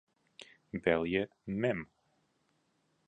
Belje mem.